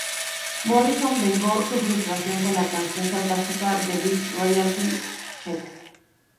Morrison vengó su frustración con la canción sarcástica "The Big Royalty Check".